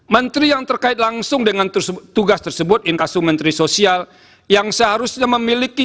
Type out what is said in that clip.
menteri yang terkait langsung dengan tugas tersebut inkasu menteri sosial yang seharusnya memiliki